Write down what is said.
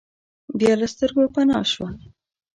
بیا له سترګو پناه شوه.